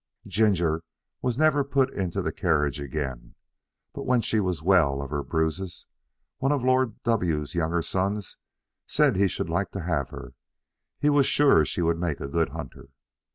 Ginger was never put into the carriage again, but when she was well of her bruises one of Lord W 's younger sons said he should like to have her; he was sure she would make a good hunter.